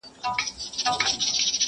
په دې خپل حلال معاش مي صبر کړی،